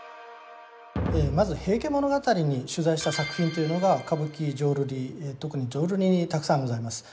まず「平家物語」に取材した作品というのが歌舞伎浄瑠璃特に浄瑠璃にたくさんございます。